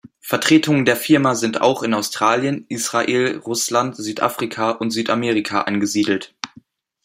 Vertretungen der Firma sind auch in Australien, Israel, Russland, Südafrika und Südamerika angesiedelt.